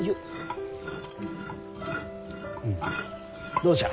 どうじゃ？